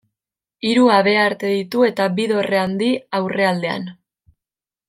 Hiru habearte ditu eta bi dorre handi aurrealdean.